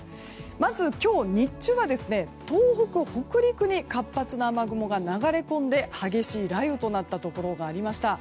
まず、今日の日中は東北・北陸に活発な雨雲が流れ込んで激しい雷雨となったところがありました。